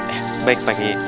eh baik pak keyi